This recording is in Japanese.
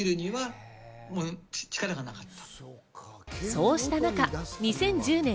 そうした中、２０１０年。